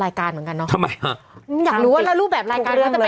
รายการเหมือนกันเนอะถ้ามั้ยฮะอยากรู้ว่าแล้วรูปแบบรายการเดี๋ยวจะเป็น